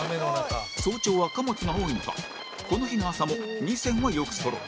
早朝は貨物が多いのかこの日の朝も２線はよくそろう